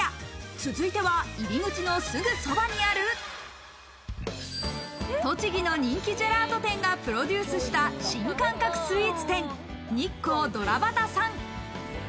続いては入り口のすぐそばにある栃木の人気ジェラート店がプロデュースした新感覚スイーツ店「日光ドラバタさん」。